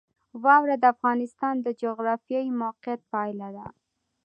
واوره د افغانستان د جغرافیایي موقیعت پایله ده.